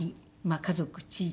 家族地域。